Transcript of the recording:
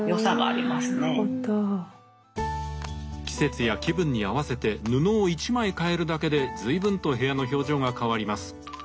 季節や気分に合わせて布を一枚替えるだけで随分と部屋の表情が変わります。